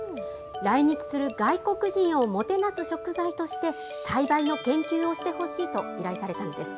来日する外国人をもてなす食材として、栽培の研究をしてほしいと、依頼されたんです。